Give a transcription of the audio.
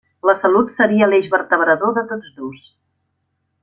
La salut seria l'eix vertebrador de tots dos.